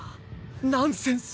ナンセンス！